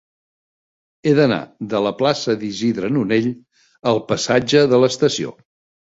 He d'anar de la plaça d'Isidre Nonell al passatge de l'Estació.